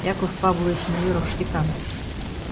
Яков Павлович Майоров-Шкетан